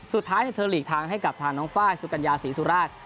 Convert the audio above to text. สุดท้ายเธอหลีกทางให้กับทางน้องไฟล์สุกัญญาศรีสุราช